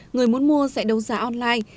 người muốn mua sẽ đấu giá online